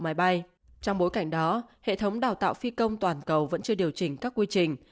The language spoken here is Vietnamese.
máy bay trong bối cảnh đó hệ thống đào tạo phi công toàn cầu vẫn chưa điều chỉnh các quy trình